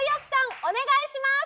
お願いします。